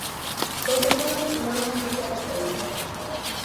Dous empates sumaron os equipos costeiros.